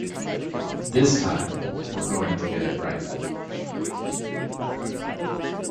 This time we're going to get it right.